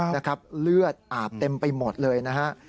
นะครับเลือดอาบเต็มไปหมดเลยนะฮะ